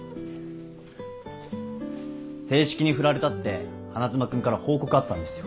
正式に振られたって花妻君から報告あったんですよ。